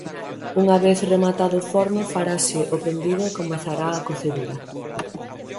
Unha vez rematado o forno farase o prendido e comezará a cocedura.